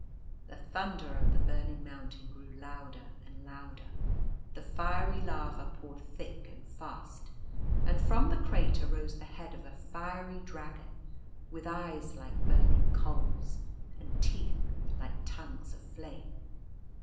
The thunder of the burning mountain grew louder and louder, the fiery lava poured thick and fast, and from the crater rose the head of a fiery Dragon, with eyes like burning coals and teeth like tongues of flame.